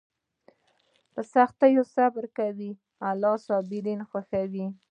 په سختیو کې صبر کوه، الله صابرین خوښوي.